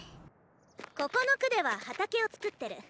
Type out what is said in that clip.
ここの区では畑を作ってる！